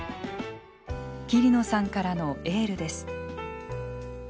桐野さんからのエールです。